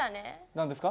何ですか？